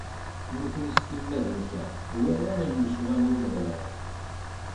Nutni, s timmad-nsen, walan lecɣwal n Umeɣlal.